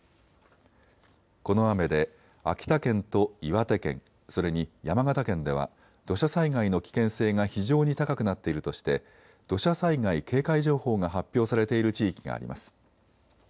この雨で秋田県と岩手県、それに山形県では土砂災害の危険性が非常に高くなっているとして土砂災害警戒情報が発表されている地域があります。